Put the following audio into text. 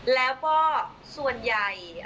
แล้วก็ส่วนใหญ่